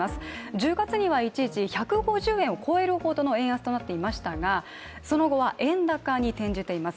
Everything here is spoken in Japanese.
１０月には一時１５０円を超えるほどの円安となっていましたがその後は、円高に転じています。